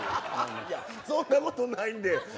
そんなことないんで。